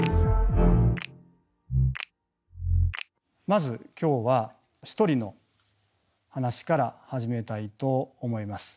まず今日は一人の話から始めたいと思います。